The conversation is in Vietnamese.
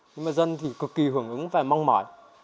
nhưng mà dân thì cực kỳ hưởng ứng và mong mỏi